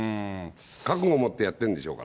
覚悟持ってやってるんでしょうか